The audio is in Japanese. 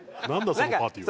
そのパーティーは。